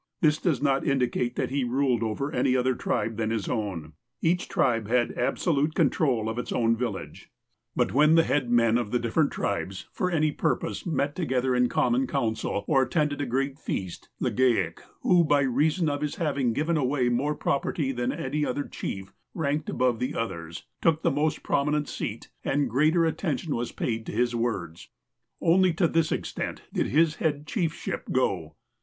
This does not indicate that he ruled over any other tribe than his own. Each tribe had absolute control of its own village ; but when 66 THE APOSTLE OF ALASKA the head men of the different tribes, for any purpose, met together in common council, or attended a great feast, Legaic, who, by reason of his having given away more property than any other chief, ranked above the others, took the most prominent seat, and greater attention was paid to his words. Only to this extent did his head chiefship go.